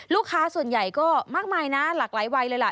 ลูกค้าส่วนใหญ่ก็มากมายนะหลากหลายวัยเลยล่ะ